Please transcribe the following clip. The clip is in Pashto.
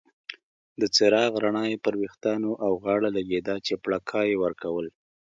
د څراغ رڼا یې پر ویښتانو او غاړه لګیده چې پرکا یې ورکول.